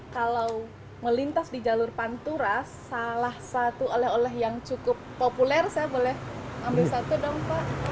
kalau melintas di jalur pantura salah satu oleh oleh yang cukup populer saya boleh ambil satu dong pak